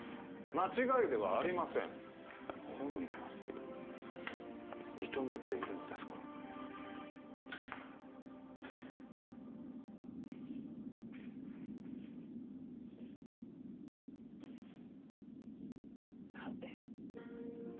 間違いではありません本人が認めているのですから何で？